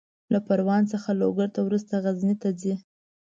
له پروان څخه لوګر ته، وروسته غزني ته ځي.